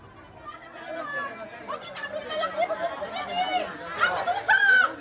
saya tidak mau berjalan jalan lagi saya harus berjalan jalan lagi